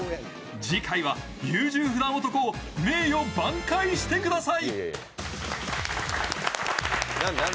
時間は優柔不断男を名誉挽回してください。